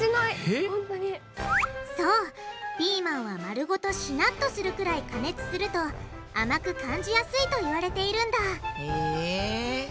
そうピーマンは丸ごとしなっとするくらい加熱すると甘く感じやすいと言われているんだへぇ。